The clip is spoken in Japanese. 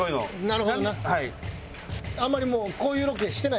なるほどな。